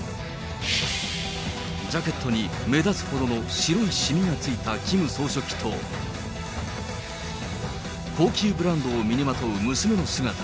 ジャケットに目立つほどの白いしみがついたキム総書記と、高級ブランドを身にまとう娘の姿。